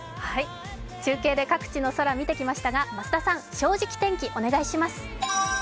中継で各地の空を見てきましたが、増田さん、「正直天気」、お願いします。